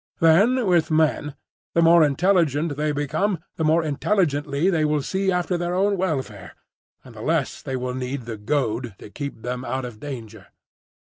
Then with men, the more intelligent they become, the more intelligently they will see after their own welfare, and the less they will need the goad to keep them out of danger.